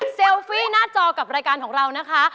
ฟี่หน้าจอกับรายการของเรานะคะ